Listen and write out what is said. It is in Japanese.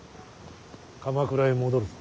鎌倉へ戻るぞ。